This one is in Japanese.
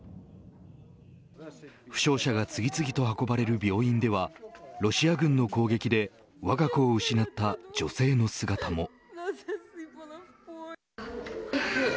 負傷者が次々と運ばれる病院ではロシア軍の攻撃でわが子を失った女性の姿も。